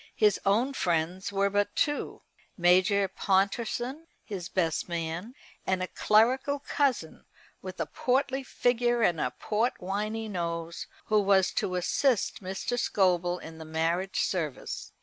His own friends were but two, Major Pontorson, his best man, and a clerical cousin, with a portly figure and a portwiney nose, who was to assist Mr. Scobel in the marriage service.